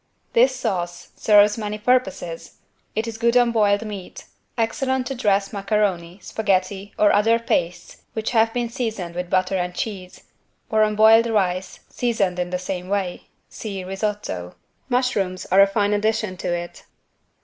This sauce serves many purposes. It is good on boiled meat; excellent to dress macaroni, spaghetti or other pastes which have been seasoned with butter and cheese, or on boiled rice seasoned in the same way (see Risotto). Mushrooms are a fine addition to it.